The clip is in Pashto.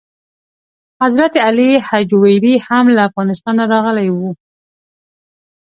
حضرت علي هجویري هم له افغانستانه راغلی و.